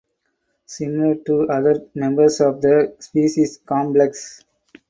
Similar to other members of the species complex.